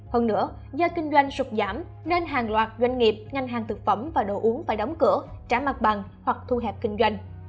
hơn nữa do kinh doanh sụp giảm nên hàng loạt doanh nghiệp ngành hàng thực phẩm và đồ uống phải đóng cửa trả mặt bằng hoặc thu hẹp kinh doanh